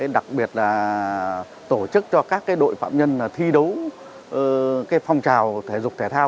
đặc biệt là tổ chức cho các phạm nhân hoạt động phong trào thể dục thể thao